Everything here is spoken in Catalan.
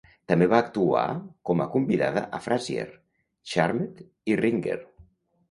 També va actuar com a convidada a "Frasier", "Charmed" i "Ringer".